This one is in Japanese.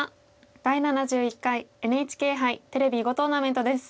「第７１回ＮＨＫ杯テレビ囲碁トーナメント」です。